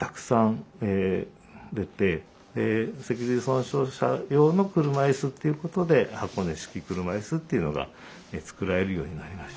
脊髄損傷者用の車いすっていうことで箱根式車椅子っていうのが作られるようになりました。